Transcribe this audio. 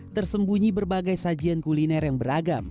tersembunyi berbagai sajian kuliner yang beragam